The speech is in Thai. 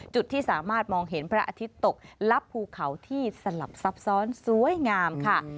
จุดที่สามารถมองเห็นพระอาทิตย์ตกลับภูเขาที่สลับซับซ้อนสวยงามค่ะ